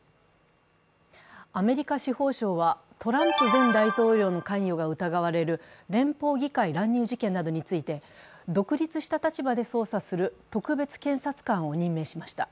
アメリカ司法省は、トランプ前大統領の関与が疑われる連邦議会乱入事件などについて、独立した立場で捜査する特別検察官を任命しました。